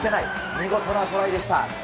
見事なトライでした。